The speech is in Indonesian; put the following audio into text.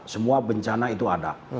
semua bencana itu ada